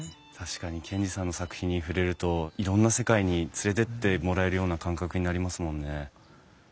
確かに賢治さんの作品に触れるといろんな世界に連れてってもらえるような感覚になりますもんね。